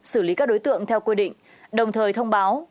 xử lý các đối tượng theo quy định đồng thời thông báo